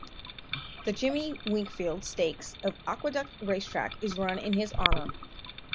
The Jimmy Winkfield Stakes at Aqueduct Racetrack is run in his honor.